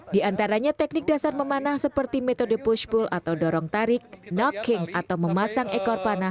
di antaranya teknik dasar memanah seperti metode pushbook atau dorong tarik nopking atau memasang ekor panah